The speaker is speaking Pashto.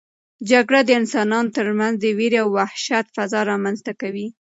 جګړه د انسانانو ترمنځ د وېرې او وحشت فضا رامنځته کوي.